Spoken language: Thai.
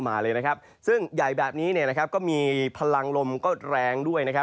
มีใหญ่แบบนี้ก็มีพลังลมแรงด้วย